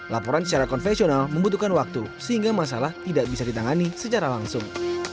laporan secara konvensional membutuhkan waktu sehingga masalah tidak bisa ditangani secara langsung